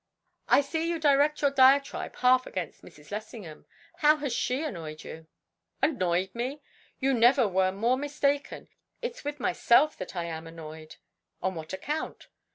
"I see you direct your diatribe half against Mrs. Lessingham. How has she annoyed you?" "Annoyed me? You never were more mistaken. It's with myself that I am annoyed." "On what account?"